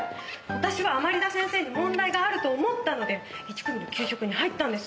私は甘利田先生に問題があると思ったので１組の給食に入ったんです。